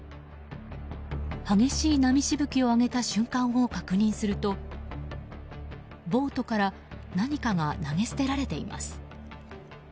激しい波しぶきを上げた瞬間を確認するとボートから何かが投げ捨てられています。